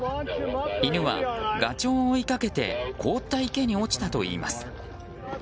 犬はガチョウを追いかけて凍った池に落ちたといいます。